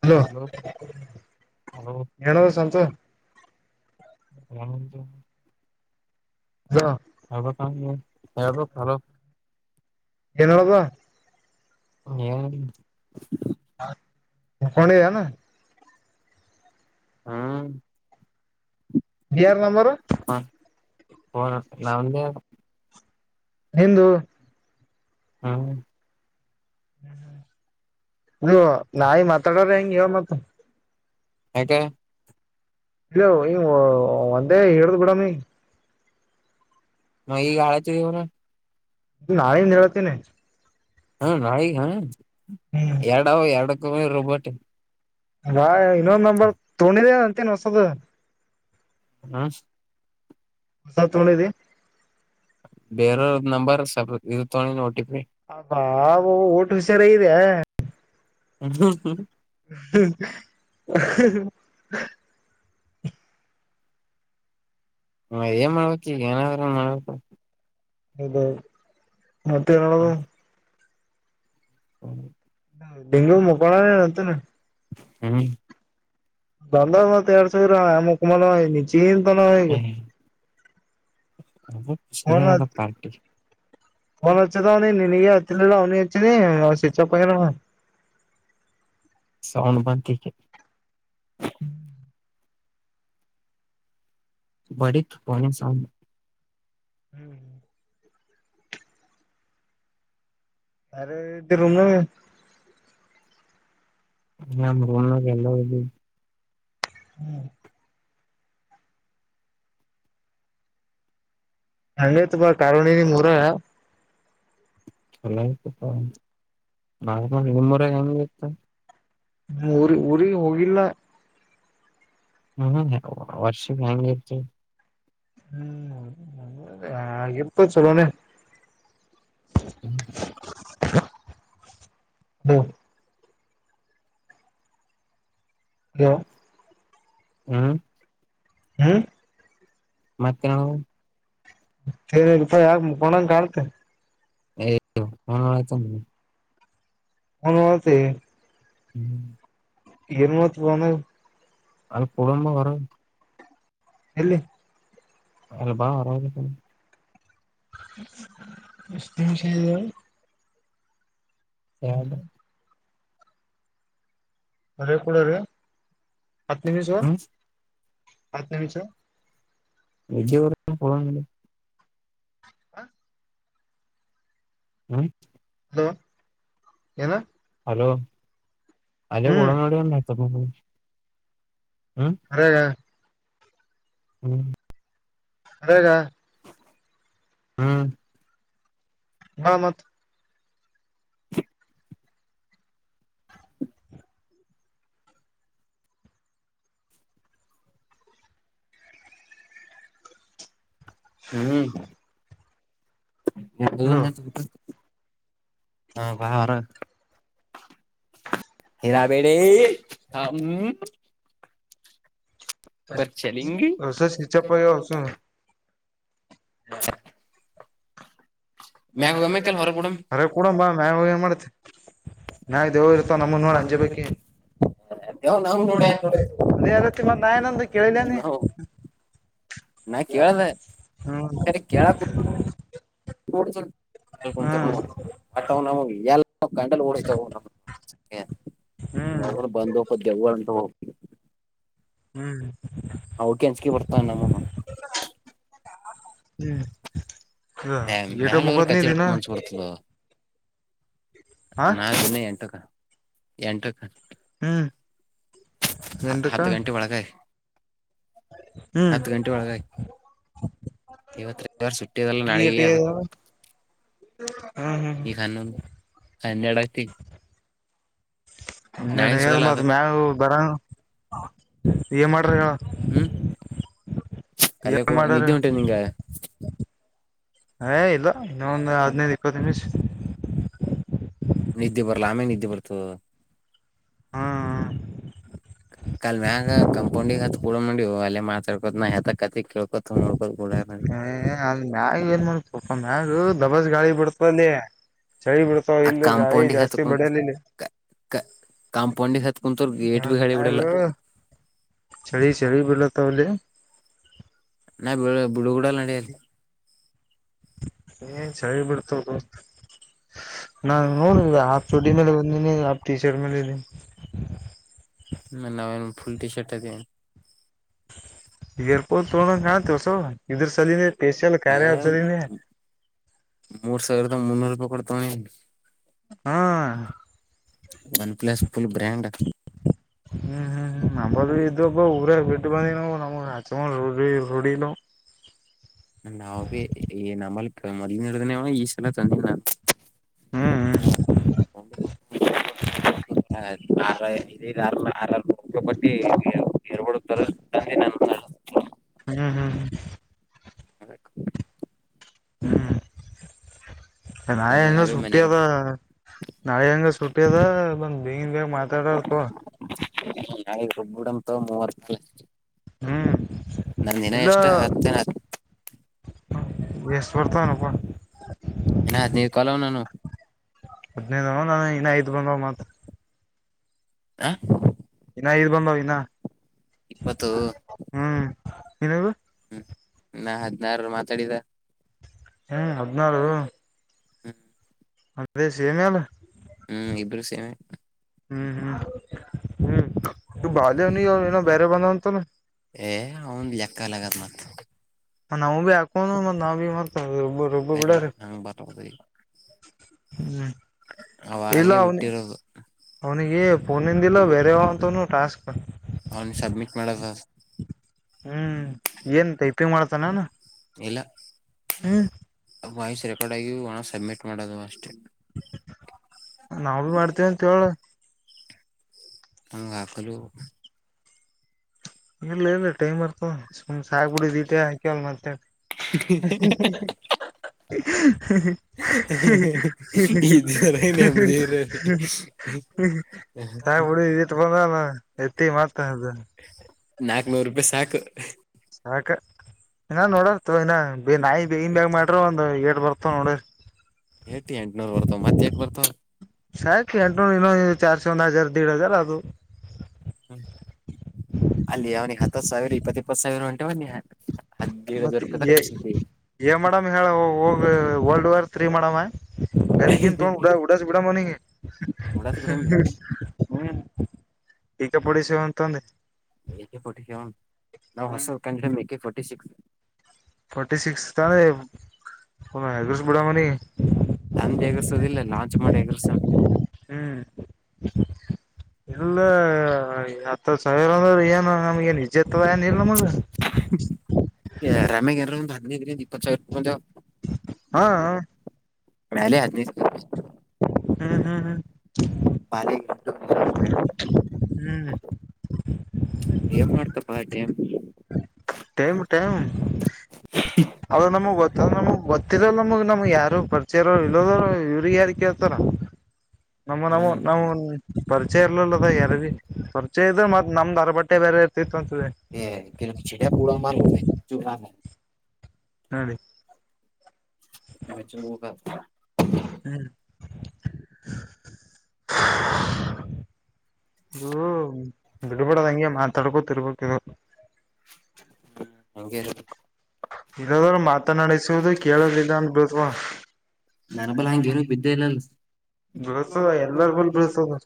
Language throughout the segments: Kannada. ಹಲೋ ಹಲೋ ಹೇಳೂ ಸಂತು [unintelligible] ಏನ್ [unintelligible] ಕರೋ ಏದಳ್ದ [unintelligible] ಕೊಣನು ಹ್ಮ ಯರ ನಂಬರ್ ಹರ ನಾ ಒಂದ ನಿಂದೂ ಹ್ಮ ನೀ ನಾಯಿ ಮಾತಾಡ್ರ ಹೆಂಗ ಇ ಮತ್ರ ಯಕೆ ಇಲ್ಲ ನೀ ಒಂದೇ ಹೇಳುದು ಬಿಡಾಮಿ ಮ ಈ ಗಾಡತಿ ಇವಣ ಇ [unintelligible] ಹೇಳ್ತೇನೆ ಹ್ಮ ನಾಳಿಗ ಹ ಹ್ಮ್ ಎರಡ ಎರಡಕ್ಕ ರೊಬೋಟಿ ಅ ಇನ್ನೊಂದು ನಂಬರ್ ತಗೊಂಡಿದಿಯ ಅಂತೇನ್ ಹೊಸದ ಹಾ ಹೊಸ ತೂಗೋಂಡಿದ್ದ ಬೇರ ನಂಬರ್ ಸ ಇದು ತಗೊಂಡು ಓಟಿಪಿ ಹಾ ಊಟ ಹುಷಾರ ಇದೆ ಹ [inaudible] ಹ [inaudible] [unintelligible] ಹಾ ಏನ ಮಾಡತಿ ಏನಾದರ ಮಾಡತ ಹೌದ ಮತ್ತ ಎನ್ ಮಾಡೋದು ಹ್ಮ [inaudible] ಡೆೇಂಗು ಮಕಳ ಅಂತ [inaudible] ಹ್ಮ್ ದಧ ಮತ್ತ ಎರಡ್ ಸಾವರ ಮುಕಮಾನ ನಿಚಿಂತ ನಗ [unintelligible] ಅ ಸರದ ಪಾರ್ಟಿ ನ್ಚ್ಚದ ಅವನಿ ನೀಿನಗೆ ಹತ್ತಲ್ಲ ಅವನಿ ಹಚ್ಚ ನೀ ಸ್ವಿಚ್ ಆಫ್ ಆಗಿದೆ ಅವ ಸೌಂಡ್ ಬಂತ ಬಡಿತ ಹೊನೆ ಸಾಮನೆ [inaudible] ಹ್ಮ್ ಹ್ಮ್ [inaudible] ಅ ಇ್ದ ರೂಮ [unintelligible] ನ ರ ಎಲ್ಲ [inaudible] ಹ್ಮ್ [inaudible] ಹಂಗೇ ತು ಬಾ ಕಾರವಣಿನ ಮೂರ ಚಲ ಆ್ತ ನಿಮ್ಮರ ಹೆಂಗ ಇತ್ತು [inaudible] ಊರಿ ಊರಿಗೆ ಹೋಗಿಲ್ಲ ಹ್ಮ ವಾರ್ಷ ಹ್ಯಾತ್ತು [unintelligible] ಹ್ಮ್ ಎಪ್ಪ ಸಲ್ಲೋಣ ಹ್ಮ್ [inaudible] ಹ್ಮ [inaudible] ಹ [inaudible] ಹ್ಮ್ ಹ್ಮ್ ಮತ್ತ ಸೇ ರೂಪಾಯ ಯಾಕ ಮುಕೊಂಡಂಗ ಕಳ್ತ ಮತ [unintelligible] ಹನುತ್ತ [unintelligible] ಹ್ಮ್ ಇವತ್ತು ಬಣ [unintelligible] ಅದು ಪಡಂಬ ವರ [inaudible] ಎಲ್ಲಿ ಅಲ್ಲ ಬಾ ಆರಾಮಲ್ಲ ಎಷ್ಟ ವಿಷ ಹದು ಅರೆ ಕೂಡ ರೇ ಹತ್ತು ನಿಮಿಷವ ಹತ್ತು ನಿಮಿಷ ಎಜಿಯಊರ ಹ ಹ್ಮ ಏನು ಹಲೋ ಅಲ್ಲ ಹ್ಮ್ ಕೂಳಮೋಡಿತ್ತ ಅರೆ ಹ್ಮ್ ಅಗ ಹ್ಮ್ ಹಾ ಮತ್ ಹ್ಮ್ [unintelligible] ಹರಾಬೇಡಿ ಹ ಪರ್ ಚಲೆಂಗೆ ಹೊಸ ಹಿಚ್ಚ ಪಯ ಹೊ ಹಾ ಮ್ಯಾಗ ಹೋಗಮ್ಮ ಕೆಲ್ ಹೊರಗ ಬಿಡಮ್ ಅರೆ ಕೊಡಂಬಾ ಮ್ಯಾಗ ಏನ್ ಮಾಡ್ತ್ತ ನಾಗ ದೇವ ಇರ್ ನಮ್ಮ ಮು ನಡಿ ಹಂಜೆ ಬೇಕಿ ನಾವ್ ನೋಡಿ ನೀ ರತ್ತ ಮತ್ತ ನಯನಂತ ಕೇಳಿಲ್ಲ ನೀ ನಾ ಕೇಳ್ದ ಕೇಳ ಹ ಕು ಹ್ಮ್ ನಟ್ ನಾವು ಎ ಗಂಡಲ್ ಓಡತವು ನ ಹ್ಮ್ ನರು ಬಂದ ಹಬ ದವ್ವ ಅಂತ ಹೋಗ ಹ್ಮ್ ಹ ಕೆ ಅಂಚಿಕೆ ಬರ್ತಾ ನಮ್ಮ ಹ್ಮ್ ಇಟ ಮ್ಯಾಲ ಹೋದ್ರ ಮುಕತ ನೀ ಕತಿ ತೀ ನ ಹೇಳಕ್ ನಾನ್ನ ಎಂಟಕ್ಕ ಎಂಟಕ್ಕ ಹ್ಮ್ ಹ ಎಂಟಕ್ಕ ಹತ್ತು ಗಂಟೆ ಒಳಗಾಯ ಹ್ಮ್ ಹತ್ತು ಗಂಟೆ ಒಳಗ ಇವತ್ ಇವರು ಸುಟ್ಟಿಯದೆಲ್ಲ ನಡೆಯಿ ಅದ ಹ್ಮ ಈ ಕಣ್ಣಂದು ಕನ್ನಯಡತಿ ಹೇಳ ಸಿಗಲ್ಲ ಮತ್ ಅದಕ್ ಮ್ಯಾಗ ಬರಂಗ ಏನ್ ಮಾಡ್ರಿ ಹೇಳ ಹ್ಮ್ ಏನ್ ಕಲ್ಲಕೂಡ ಮಾಡ್ಯಾರ ನಿದ್ದೆ ಉಟುನ ಇಂಗ ಏ ಇಲ್ಲ ಇನ್ನೊಂದು ಹದ್ನೈದು ಇಪ್ಪತ್ತು ನಿಮಿಷ ನಿದ್ದೆ ಬರ್ಲ್ಲ ಆಮೇ ನಿದ್ದೆ ಬರ್ತು ಹ್ಮ್ ಕಲ್ ಮ್ಯಾಗ ಕಂಪೌಂಡಿ ಹತ್ತು ಕೂಡ ನೋಡಿ ಅಲ್ಲ ಮಾಕೋ ಕ ಅದ ಮ್ಯಾಗ ಏನ್ ಮಾಡತ ಪಪ ಮ್ಯಾಗ ದಬಸ್ ಗಾಳಿ ಬಿಡತ ಚಳಿ ಬಿಡ್ತಾವ ಆ ಇಲ್ಲಿ ಗಾಳಿ ಕಾಂಪೌಂಡಿಗೆ ಜಾಸ್ತಿ ಬಡಲಿ ಇ ಕಾಂಪೌಂಡ್ ಹತ್ ಕುತ ಗೇಟ್ ಬಿ ಗಡಿ ಬಿಡಲ್ಲ ಚಳಿ ಚಳಿ ಬೆಳ ತಹಲ್ಲಿ ನ ಬುಡಗೂಡಲ್ಲ ನಡಲ್ಲ ಏನ್ ಚಳಿ ಬಿಡ್ತ ನಾ ನೋಡ ಆ ಲ ಟ ಶರ್ಟ್ ಲ್ ಟಿ ಶರ್ಟ್ ಅದಿಎನ್ ಎಏರ್ಪೋರ್ಟ್ ತೋ ತಸೊ ಇದುರ್ ಸಲ್ಲಿನೇ ಹ ಮೂರ ಸಾವಿರದಾ ಮುನ್ನೂರ ರೂಪಾಯಿಕೊಟ ತಂದಿನಿ ಹಾ ಒನ್ ಪ್ಲೇಸ್ ಹ್ಮ್ ಹ್ಮ್ ಹ್ಮ್ ನಮ್ಮಲ್ ಇದ್ದು ಊರಾಗ ಬಿಟ್ಟ ಬಂದಿನ್ ಹಚ್ಚಿಕೊಂಡ [unintelligible] ರೂಡಿ ಇಲ್ಲ ಅವಗ್ ಮೊದ್ಲಿನ್ ಹಿಡದ ಅವಾ ಈ ಸಲ ಹ್ಮ್ ಹ್ಮ್ [unintelligible] ಆರ ಬಟ್ಟಿ ಎರ್ [unintelligible] ಹ್ಮ್ ಹ್ಮ್ [unintelligible] ಹ್ಮ್ ನಾಳಿ ತಂದ ಅದು ನಾವೇ ಸುಟ್ಟಿ ಮನೆಗೆ ಅದ ನಾಳೆ ಯಿಂದ ಸುಟ್ಟಿ ಅದ ಬಂದ್ ಬಂಗಿನ್ ಬೇಗ ಮಾತಾಡಾರಪ್ಪಾ [unintelligible] ಮೂವತ್ತು ಹ್ಮ್ ನಂದ ಇನ ಇಲ್ಲ ಎಷ್ಟ ಹತ್ತ ಎನ್ [unintelligible] ಇನ್ನ ಹದಿನೈದು ಕಾಲ್ ಅನ್ ನನ್ನು ಹದ್ನೈದು ನಾನ ಇನ್ನ ಐದ್ ಬಂದ ಮತ್ [unintelligible] ಐದು ಬಂದವ ಇನ್ನ ಇಪ್ಪತ್ತು ಹ್ಮ್ ನೀನ ಹ್ಮ್ ನಾ ಹದಿನಾರರು ಮಾತಾಡಿದ ಹ್ಮ್ ಹದ್ನಾರು ಹ್ಮ್ [unintelligible] ಹ್ಮ್ ಇಬ್ರು ಸೇಮೇ ಹ್ಮ್ ಹ್ಮ್ ಹ್ಮ್ ಇ ಬಾಲ್ಯವನಿಗೆ ಏನೋ ಬೇರೆ ಬಂದ ಅಂತಲ್ಲ ಏ ಅವನ್ ಲೇಕ್ ಕಲಗತ್ ನ ನಾವು ಭೀ ಹಾಕೊಂಡ್ ಮತ್ ನಾ ಭೀ ಮತ್ ರೊಬ್ಬ ರೊಬ್ಬ ಸರಿ ಬಿಡಾರಿ ನನ್ [unintelligible] ಹ್ಮ್ ಇಲ್ಲ ಅವನ ಬಿಟ್ಟಿರೋದು ಅವನಿಗಿ ಪೋನ್ಂದಿಲ್ಲ ಬೇರೆೇವಂತನುೂ ಟಾಸ್ಕ್ ಅವ್ನು ಸಬ್ಮಿಟ್ ಮಾಡದ [unintelligible] ಮಾಡ್ತಾನ ಇಲ್ಲಾ ವಾಯ್ಸ್ ರೆಕಾರ್ಡ್ ಆಗಿ ವಣ ಸಬ್ಮಿಟ್ ಮಾಡೋದು ಅಷ್ಟೆ ನಾವ ಬ್ ಮಾಡ್ತೇವ ಅಂತ ಹೇಳ [unintelligible] ಇಲ್ಲ ಇಲ್ಲ ಟೈಮ್ ಇರ್ತದ ಸುಮ್ ಸಾಹೆಬುಡಿದಿಟೆ ಹಾಕ್ಯವಲ್ ಮತ್ತಯಾಕ್ [unintelligible] [inaudible] [inaudible] ಇದರ ನೆಮ್ಮದಿ ಇರರಿ ಡಿ ತಗೋಳದ ಎತ್ತಿ ಮತ ಅದ ನಾಕ್ ನೂರು ರೂಪಾಯಿ ಸಾಕ ಸಾಕ ನ ನೋಡ ಇನ್ನ ನಾಯಿನ್ ಇನ್ನು ಮ್ಯಾಗ್ ಮಾಡ್ರ ಒಂದು ಎ ಬರ್ತ ಒಡೆ ಎಟಿ ಎಂಟನೂರ್ ಬರ್ತಾವ ಮತ್ ಯಾಕ್ ಬರ್ತಾವ ಸಾಕ ಎಂಟ ಇನ್ನೊ ಚಾರ್ಸ ಒಂದ್ ಹಜಾರ್ ದೀಡ ಹಜಾರ್ ಅದು ಅಲ್ಲಿ ಅವ್ನಿಗೆ ಹತ್ತತ್ ಸಾವಿರ ಇಪ್ಪತ್ ಇಪ್ಪತ್ ಸಾವಿರ [unintelligible] ಮತ್ತ ರೂಪಾಯಿದಾಗ ಕೊಸಿದ್ದಿ ಎನ್ ಮಾಡಮ್ ಹೇಳ ಹೋಗ ವರ್ಲ್ಡ್ ವಾರ್ ತ್ರ್ರೀ ಮಾಡವಾ ಕಲ್ಲಿಕನ್ ತೋ ಉಡ ಉಡಾಸ ಬಿಡ ಅವನಿಗೆ ಹ್ಮ ಆಕೆ ಫಾರ್ಟಿ ಸೆವೆನ್ ಅಂತಂದೆ ಆಕೆ ಫಾರ್ಟಿ ಸೆವೆನ್ ನಾವು ಹೊಸದು ಕನೆಡೆಯಮ ಆಕೆ ಫಾರ್ಟಿ ಸಿಕ್ಕಿ ಫಾರ್ಟಿ ಸಿಕ್ಕಿ ತೇಗ್ರಸ್ ಒಮ್ಮೆ ಯಾಗರೀಸ್ ಬೇಡಮನೀ ತಂದ ಹೆಗರ್ಸೋುದಿಲ್ಲ ಲಾಂಚ್ ಮಾಡಿ ಎಗರ್ಸ ಹ್ಮ್ ಇಲ್ಲ ಹತ್ತ ಸಾವಿರ ಅಂದ್ರ ಏನು ನಮ್ಗೆ ನಿಜತ್ ಏನ್ ಇಲ್ಲ ಮಗ [unintelligible] ಹೇ ರಾಮ್ಯೆಗೆ ಹದಿನೈದು ದಿನ ಇಪ್ಪತ್ತು ಸಾವಿರ ಆಗುವ ಹಾ ಮೇಲೆ ಹದಿನೈದು ಸಾವಿರ ರೂಪೈ ಹ್ಮ್ ಹ್ಮ್ ಹ್ಮ್ ಬಾರಿ [unintelligible] ಹ್ಮ್ ಏನ್ ಮಾಡ್ತಪ್ಪ ಟೈಮ್ ಟೈಮ್ ಟೈಮ್ ಅವ್ರು ನಮಗ್ ಗೊತ್ತ ನಮಗ್ ಗೊತ್ತಿರಲ್ ನಮಗ್ ನಮ್ಗ್ ಯಾರು ಪರಿಚ ಇಲ್ಲೋದ ಇವ್ರಿಗೆ ಯಾರ ಕೇಳ್ತಾರ ನಮ್ಮ ನವು ಹ್ಮ್ ನಮ್ಮ್ ಪರಿಚಯ ಇರ್ಲಿಲ್ಲ ಅದ ಯಾರದ ಪರಿಚಯ ಇದ ಮತ್ತೆ ನಮ್ದ ಅರ ಬಟ್ಟೆ ಬೇರೆ ಇರ್ತಿತ್ತು ಅಂತದೆ ಹ ಕೆಲೆಂ ಚೀಡ್ಯಾ ಪುಡ ಮಾಡಾರ [unintelligible] ನಡೆ [unintelligible] ಹ್ಮ್ [unintelligible] ಇದು ಬಿಡ್ಬಿಡದಂಗೆ ಮಾತಾಡ್ಕೋ ತಿರ್ಬೋಕ್ ಇದು ಹ್ಮ್ ಹಂಗೆ ಇರದು ಇದಾದ್ರ ಮಾತನಾಡಸುದು ಕೇಳದಿಲ್ಲ ಅನ್ಬೋದವಾ ನರಬಲ ಹಂಗ ಏನ ಬಿದ್ದ ಇಲ್ಲ ಬೀಳ್ತದ ಎಲ್ಲಾರ ಬಲ್ [unintelligible] ಬೀಳ್ತದ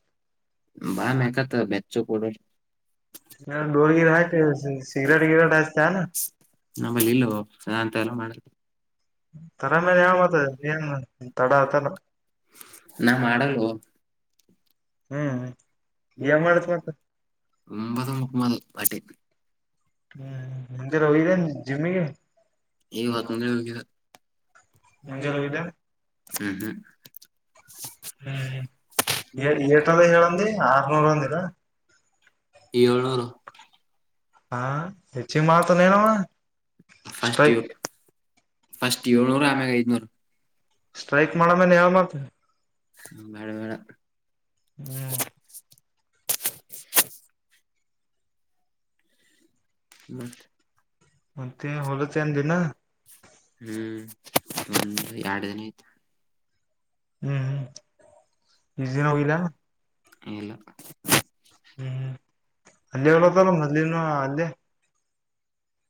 ಬಾ ಮಕಾತ ಮ್ಯಾಚ್ಚಚೋ ಕೊಡ [inaudible] [unintelligible] ಡೋಳಗೆ ಆಕೆ ಸಿಗರೇಟ್ ವಿಗರೇಟ್ ಅಚೆತೆಯ ನಮ್ಮಲ್ಲಿ ಇಲ್ಲೋ ಅಂತ ಎಲ್ಲ ಮಾಡ ತರ ಮೇಲೆ ಯಾವ ಮಾತ ಎನ್ ಹ್ಮ ತಡತಲ್ಲ [unintelligible] ಏನ್ ಮಾಡತ್ ಮತ್ತ [unintelligible] ಪಾರ್ಟಿ ಹ್ಮ್ ಮುಂಜಾನೆ ಹೊಗೆಯ ಜಿಮ್ಮಿಗೆ [unintelligible] ಮುಂಜಾನೆ ಹೋಗಿಲ್ಲ ಮುಂಜಾನೆ ಹೋಗಿದೇನ್ ಹ್ಮ್ ಹ್ಮ್ ಹ್ಮ್ [unintelligible] ಹೇಳಂದಿ ಆರ್ನೂರ ಅಂದಿರ ಏಳು ನೂರು ಹಾ ಹೆಚ್ಚಿಗೆ ಮಾಡತ ನೇನಣ ಫಸ್ಟ್ ಸ್ಟ್ರೈ ಫಸ್ಟ್ ಏಳ್ನೂರು ಆಮ್ಯಾಗ ಐದನೂರು ಸ್ಟ್ರೈಕ್ ಮಾಡಳ ಮ ಯಾವ ಮಾತ ಹ್ಮ್ ಬೇಡ ಬೇಡ ಹ್ಮ್ [inaudible] ಮಾತೆ ಮತ್ತೆ ಹ್ಮ್ ಹೊಲತೇನ್ ದಿನ ಮಾತೆ [unintelligible] ಹ್ಮ್ ಒಂದು ಎಡು ದಿನ ಆಯ್ತು ಹ್ಮ್ ಹ್ಮ್ ಇಜಾ ಹೋಗಿಲ್ಲ ಎನ್ ಇಲ್ಲ ಹ್ಮ್ ಅಲ್ಲಿ ಹಲತ್ತಲ್ಲ ಮಲಿನ ಅಲ್ಲೇ